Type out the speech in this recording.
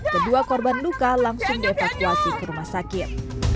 kedua korban luka langsung dievakuasi ke rumah sakit